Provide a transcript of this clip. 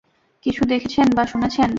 কিছু দেখেছেন বা শুনেছেন?